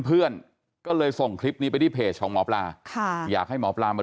เพื่อนก็เลยส่งคลิปนี้ไปที่เพจของหมอปลาค่ะอยากให้หมอปลามา